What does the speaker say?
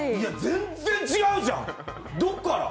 全然違うじゃん、どっから？